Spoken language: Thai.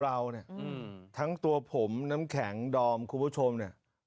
เราเนี่ยทั้งตัวผมน้ำแข็งดอมคุณผู้ชมเนี่ย